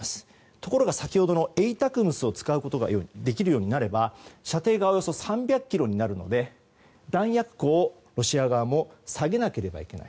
ところが、先ほどのＡＴＡＣＭＳを使うことができるようになれば射程がおよそ３００ｋｍになるので弾薬庫を、ロシア側も下げなければいけない。